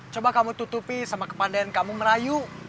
coba kamu tutupi sama kepandaian kamu merayu